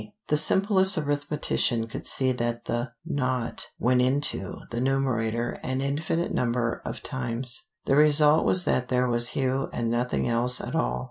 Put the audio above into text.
The simplest arithmetician could see that the nought "went into" the numerator an infinite number of times. The result was that there was Hugh and nothing else at all.